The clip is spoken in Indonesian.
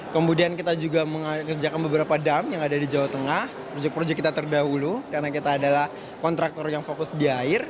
kemudian kita juga mengerjakan beberapa dam yang ada di jawa tengah proyek proyek kita terdahulu karena kita adalah kontraktor yang fokus di air